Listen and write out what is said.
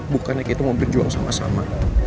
bukannya kita mau berjuang sama sama